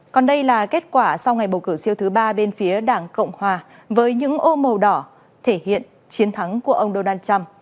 còn đây là kết quả sau ngày bầu cử siêu thứ ba bên phía đảng cộng hòa với những ô màu đỏ thể hiện chiến thắng của ông donald trump